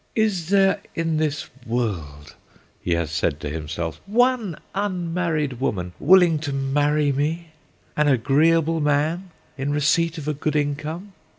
"Is there in this world," he has said to himself, "one unmarried woman, willing to marry me, an agreeable man, in receipt of a good income."